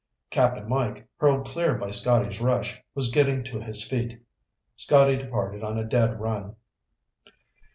Cap'n Mike, hurled clear by Scotty's rush, was getting to his feet. Scotty departed on a dead run.